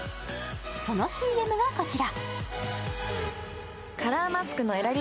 そのＣＭがこちら。